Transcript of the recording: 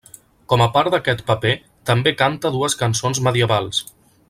Com a part d'aquest paper, també canta dues cançons medievals.